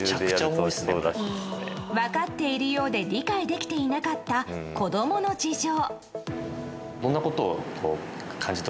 分かっているようで理解できていなかった子供の事情。